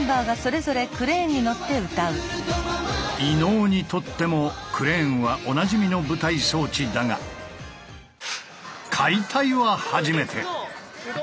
伊野尾にとってもクレーンはおなじみの舞台装置だが解体は初めて。